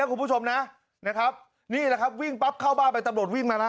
คุณกำลังวิ่งหนีเข้าตีนหมา